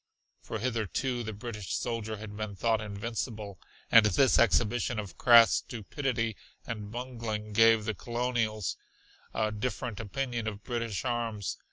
For hitherto the British soldier had been thought invincible, and this exhibition of crass stupidity and bungling gave the colonials a different opinion of British arms.